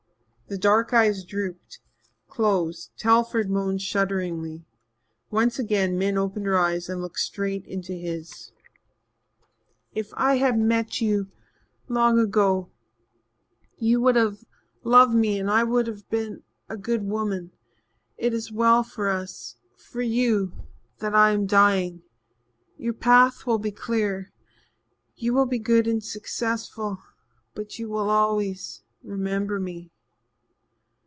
The dark eyes drooped closed. Telford moaned shudderingly. Once again Min opened her eyes and looked straight into his. "If I had met you long ago you would have loved me and I would have been a good woman. It is well for us for you that I am dying. Your path will be clear you will be good and successful but you will always remember me."